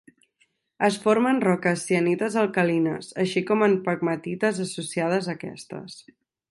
Es forma en roques sienites alcalines, així com en pegmatites associades a aquestes.